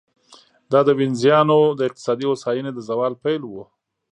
دا د وینزیانو د اقتصادي هوساینې د زوال پیل و.